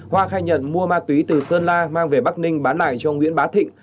hoa khai nhận mua ma túy từ sơn la mang về bắc ninh bán lại cho nguyễn bá thịnh